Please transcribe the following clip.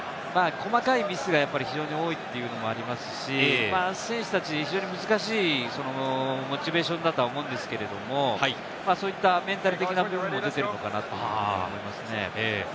細かいミスが非常に多いというのもありますし、選手たちは非常に難しいモチベーションだと思うんですけれど、そういったメンタル的な部分も出ているのかなと思いますね。